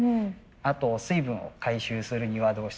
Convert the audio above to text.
あと水分を回収するにはどうしたらいいか。